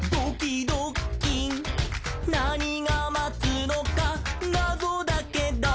「なにがまつのかなぞだけど」